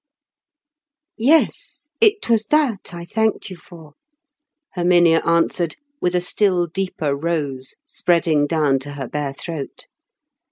"Yes, it was that I thanked you for," Herminia answered, with a still deeper rose spreading down to her bare throat.